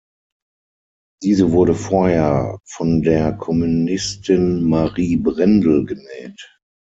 Diese wurde vorher von der Kommunistin Marie Brendel genäht.